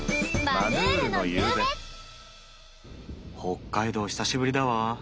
北海道久しぶりだわ。